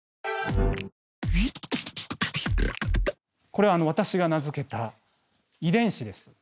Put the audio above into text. これ私が名付けた遺伝子です。